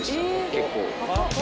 結構。